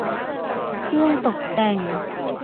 เครื่องตกแต่ง